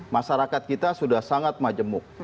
masyarakat kita sudah sangat majemuk